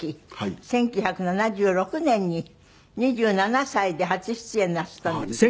１９７６年に２７歳で初出演なすったんですね。